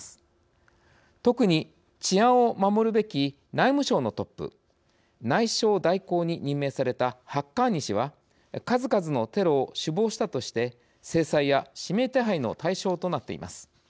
特に治安を守るべき内務省のトップ内相代行に任命されたハッカーニ氏は数々のテロを首謀したとして制裁や指名手配の対象となっています。